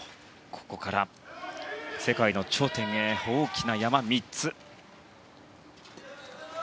ここから世界の頂点へ大きな山３つ。